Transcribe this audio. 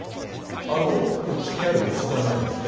あのうちにある仏壇がですね